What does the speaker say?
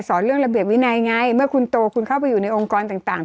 เรื่องระเบียบวินัยไงเมื่อคุณโตคุณเข้าไปอยู่ในองค์กรต่าง